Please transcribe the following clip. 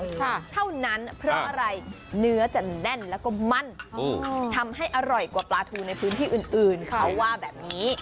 เท่านั้นเพราะอะไรเนื้อจะแน่นแล้วก็มั่นทำให้อร่อยกว่าปลาทูในพื้นที่อื่นอื่นเขาว่าแบบนี้